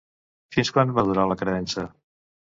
Fins quan va durar la creença?